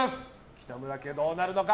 北村家、どうなるのか。